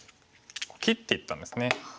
切っていったんですね。